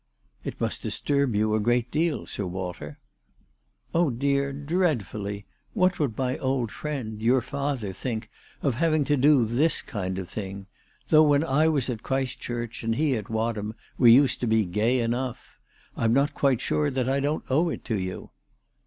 " It must disturb you a great deal, Sir Walter." "Oh, dear dreadfully ! What would my old friend, 372 ALICE DUGDALE. your father, think of having to do this kind of thing ? Though, when I was at Christchurch and he at Wadham, we used to be gay enough. I'm. not quite sure that I don't owe it to you."